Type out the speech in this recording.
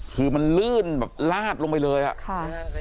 คือมันลื่นแบบลาดลงไปเลยอ่ะค่ะ